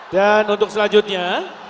dan untuk selanjutnya